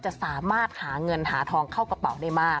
จะสามารถหาเงินหาทองเข้ากระเป๋าได้มาก